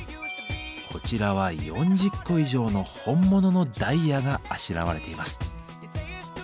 こちらは４０個以上の本物のダイヤがあしらわれています。